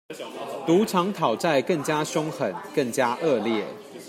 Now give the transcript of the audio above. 賭場討債更加兇狠、更加惡劣